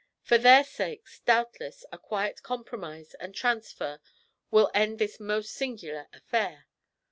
For their sakes, doubtless, a quiet compromise and transfer will end this most singular affair.